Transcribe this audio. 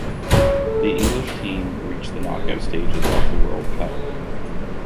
The English team reached the knockout stages of the world cup.